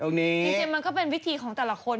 จริงมันก็เป็นวิธีของแต่ละคน